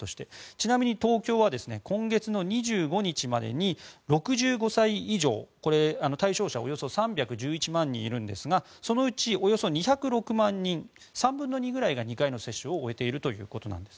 ちなみに東京は今月の２５日までに６５歳以上、これ、対象者がおよそ３１１万人いるんですがそのうちおよそ２０６万人３分の２ぐらいが２回の接種を終えているということなんです。